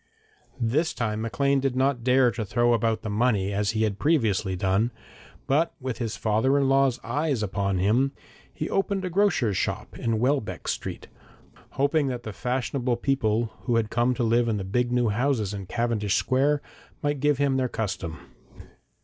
This time, Maclean did not dare to throw about the money as he had previously done, but with his father in law's eye upon him, he opened a grocer's shop in Welbeck Street, hoping that the fashionable people who had come to live in the big new houses in Cavendish Square might give him their custom.